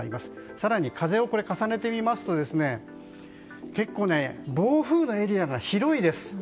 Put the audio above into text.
更に風を重ねてみますと結構、暴風雨のエリアが広いです。